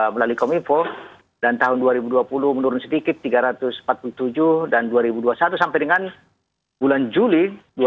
melalui kominfo dan tahun dua ribu dua puluh menurun sedikit tiga ratus empat puluh tujuh dan dua ribu dua puluh satu sampai dengan bulan juli dua ribu dua puluh